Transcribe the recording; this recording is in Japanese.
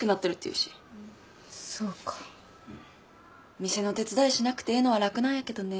店の手伝いしなくてええのは楽なんやけどね。